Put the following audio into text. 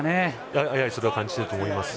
やはりそれは感じていると思います。